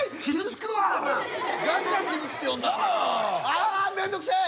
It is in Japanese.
あめんどくせえ！